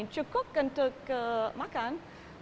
cukup untuk makan